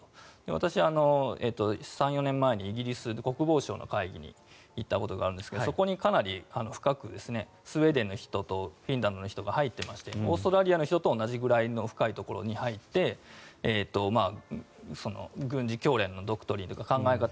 私は３４年前にイギリス国防省の会議に行ったことがあるんですがそこにかなり深くスウェーデンの人とフィンランドの人が入っていましてオーストリアの人と同じぐらいの深いところまで入っていて軍事教練のドクトリンとか考え方